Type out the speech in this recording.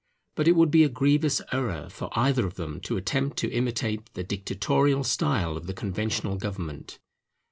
But it would be a grievous error for either of them to attempt to imitate the dictatorial style of the Conventional government.